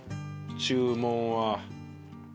注文は。